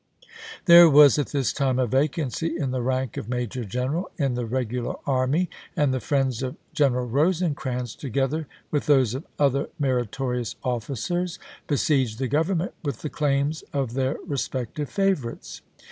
There was at this time a vacancy in the rank of major general in the regular army, and the friends of General Rosecrans, together with those of other meritorious officers, besieged the Government with the claims of their respective favorites.